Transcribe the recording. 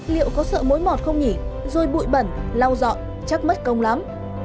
liệu có sợ mối mọt không nhỉ rồi bụi bẩn lau dọn chắc mất công lắm